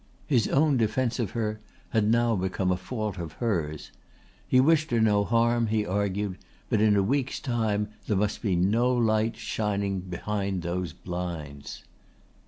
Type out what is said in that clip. His own defence of her had now become a fault of hers. He wished her no harm, he argued, but in a week's time there must be no light shining behind those blinds.